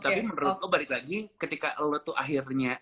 tapi menurut gue balik lagi ketika lo tuh akhirnya